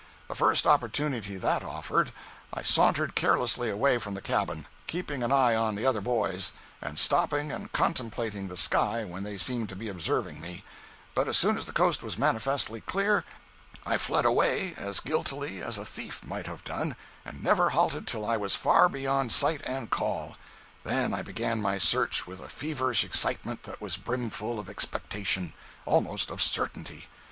The first opportunity that offered, I sauntered carelessly away from the cabin, keeping an eye on the other boys, and stopping and contemplating the sky when they seemed to be observing me; but as soon as the coast was manifestly clear, I fled away as guiltily as a thief might have done and never halted till I was far beyond sight and call. Then I began my search with a feverish excitement that was brimful of expectation—almost of certainty.